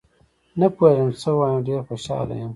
نه پوهېږم څه ووایم، ډېر خوشحال یم